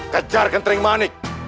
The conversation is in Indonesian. kejar kentering manik